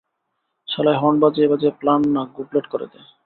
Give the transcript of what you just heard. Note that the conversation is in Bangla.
শালায়, হর্ণ বাজিয়ে বাজিয়ে প্লান না গুবলেট করে দেয়।